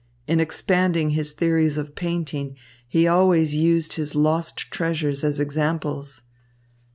In expanding his theories of painting, he always used his lost treasures as examples.